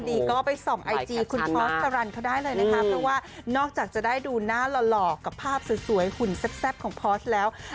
อีกหนึ่งปัญหาหลักเลยนะ